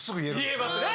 言えますね